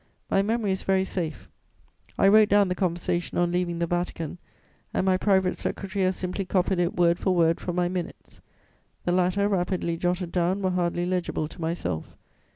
My memory is very safe; I wrote down the conversation on leaving the Vatican and my private secretary has simply copied it word for word from my minutes. The latter, rapidly jotted down, were hardly legible to myself.